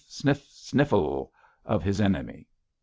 sniff! sniffle! of his enemy.